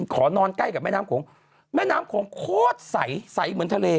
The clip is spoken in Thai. ขอนอนใกล้กับแม่น้ำโขงแม่น้ำโขงโคตรใสใสเหมือนทะเล